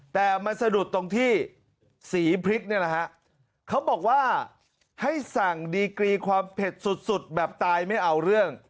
แต่มันสะดุดตรงที่สีพริกเนี่ยนะฮะเขาบอกว่าให้สั่งดีกรีความเผ็ดสุดแบบตายไม่เอาเรื่อง